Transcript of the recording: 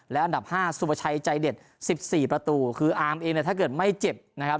และอันดับ๕สุประชัยใจเด็ดสิบสี่ประตูคืออาร์มเองเนี่ยถ้าเกิดไม่เจ็บนะครับ